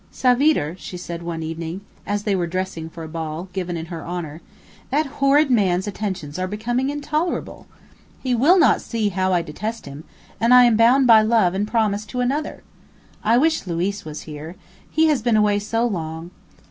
"Savitre," she said one evening, as they were dressing for a ball, given in her honor, "that horrid man's attentions are becoming intolerable! He will not see how I detest him, and am bound by love and promise to another. I wish Luiz was here; he has been away so long.